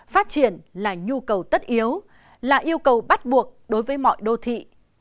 phát triển là nhu cầu tất yếu là yêu cầu bắt buộc đối với mọi đô thị